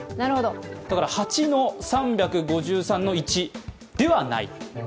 だから８の３５３−１ではない。